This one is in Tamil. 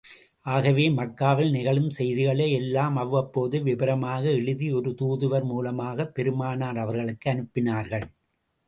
ஆகவே, மக்காவில் நிகழும் செய்திகளை எல்லாம் அவ்வப்போது விவரமாக எழுதி, ஒரு தூதுவர் மூலமாகப் பெருமானார் அவர்களுக்கு அனுப்பினார்கள்.